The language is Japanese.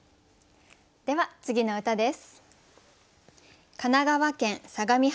では次の歌です。